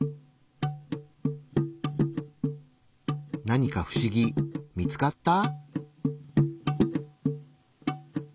何か不思議見つかった？